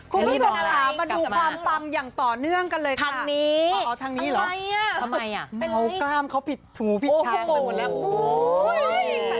คุณผู้สมัครมาดูความปังอย่างต่อเนื่องกันเลยค่ะ